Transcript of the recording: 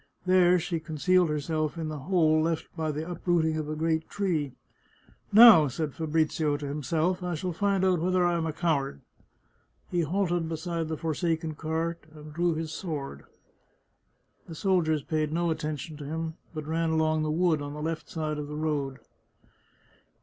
There she concealed herself in the hole left by the uprooting of a great tree. " Now," said Fabrizio to himself, " I shall find out whether I am a coward." He halted beside the forsaken cart and drew his sword. The soldiers paid no attention to him, but ran along the wood on the left side of the road.